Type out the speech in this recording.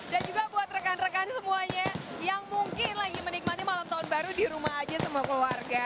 dan juga buat rekan rekan semuanya yang mungkin lagi menikmati malam tahun baru di rumah aja sama keluarga